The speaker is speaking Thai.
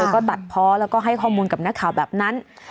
ก็ตัดเพาะแล้วก็ให้ข้อมูลกับนักข่าวแบบนั้น